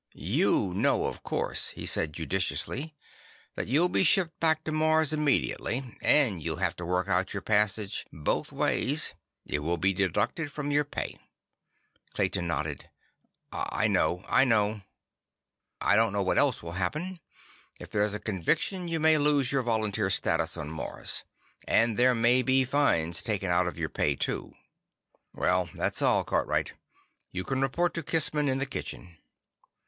"You know, of course," he said judiciously, "that you'll be shipped back to Mars immediately. And you'll have to work out your passage both ways—it will be deducted from your pay." Clayton nodded. "I know." "I don't know what else will happen. If there's a conviction, you may lose your volunteer status on Mars. And there may be fines taken out of your pay, too. "Well, that's all, Cartwright. You can report to Kissman in the kitchen."